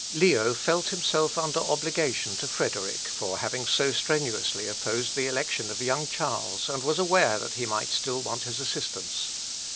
Leo felt himself under obligation to Frederick, for having so strenuously opposed the election of young Charles, and was aware that he might still want his assistance.